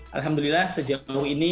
alhamdulillah sejauh ini